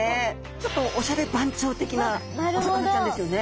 ちょっとおしゃれ番長的なお魚ちゃんですよね。